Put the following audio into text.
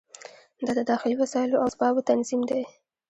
دا د داخلي وسایلو او اسبابو تنظیم دی.